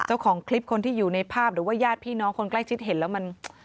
เจ้าของคลิปคนที่อยู่ในภาพหรือว่าญาติพี่น้องคนใกล้ชิดเห็นแล้วมัน